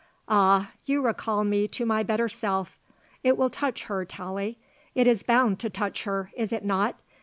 Ah! you recall me to my better self. It will touch her, Tallie; it is bound to touch her, is it not?